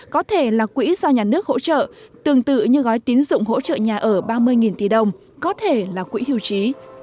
có thể là quỹ do nhà nước hỗ trợ tương tự như gói tín dụng hỗ trợ nhà ở ba mươi tỷ đồng có thể là quỹ hưu trí